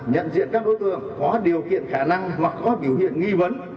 nhận diện các đối tượng có điều kiện khả năng hoặc có biểu hiện nghi vấn